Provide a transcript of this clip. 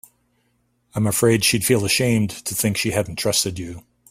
I'm afraid she'd feel ashamed to think she hadn't trusted you.